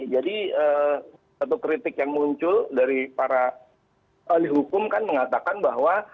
jadi satu kritik yang muncul dari para alih hukum kan mengatakan bahwa